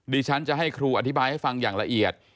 ฉันจะให้ครูอธิบายให้ฟังอย่างละเอียด